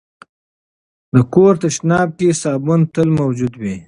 د کور تشناب کې صابون تل موجود وي.